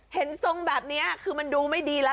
ทรงแบบนี้คือมันดูไม่ดีแล้ว